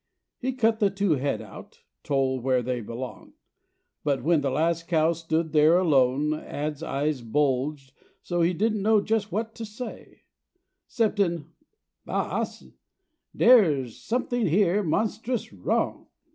He cut the two head out, told where they belonged; But when the last cow stood there alone Add's eyes bulged so he didn't know just what to say, 'Ceptin', "Boss, dere's something here monstrous wrong!